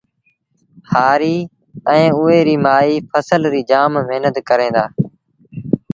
هآريٚ ائيٚݩ اُئي ريٚ مآئيٚ ڦسل ريٚ جآم مهنت ڪريݩ دآ